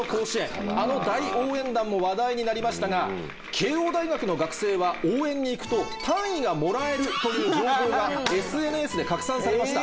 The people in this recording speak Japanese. あの大応援団も話題になりましたが慶応大学の学生は応援に行くと単位がもらえるという情報がＳＮＳで拡散されました。